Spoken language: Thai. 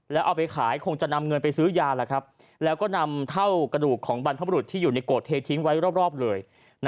แล้วเอาไปขายคงจะนำเงินไปซื้อยาแล้วก็นำเท่ากระดูกของบรรพบรุษที่อยู่ในโกรธเททิ้งไว้รอบเลย